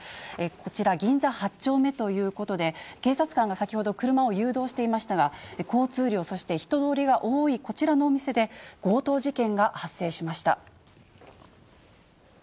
こちら、銀座８丁目ということで、警察官が先ほど、車を誘導していましたが、交通量、そして人通りが多いこちらのお店で強盗事件が発生しました。